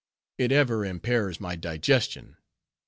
It ever impairs my digestion.